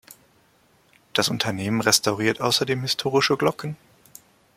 Das Unternehmen restauriert außerdem historische Glocken.